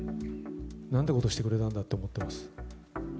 なんてことしてくれたんだと思ってます。